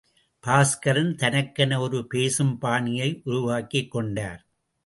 பாஸ்கரன் தனக்கென ஒரு பேசும் பாணியை உருவாக்கிக் கொண்டார்.